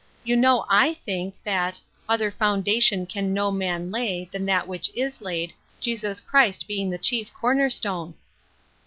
You know I think, that, ' other foundation can no man lay than that which is laid, Jesus Christ being the chief corner stone.'